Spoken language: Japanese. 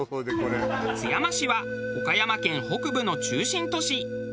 津山市は岡山県北部の中心都市。